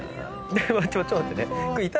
ちょっと待ってね。